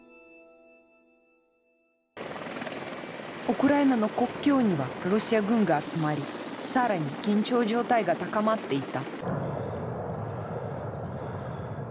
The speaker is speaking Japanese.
ウクライナの国境にはロシア軍が集まり更に緊張状態が高まっていた。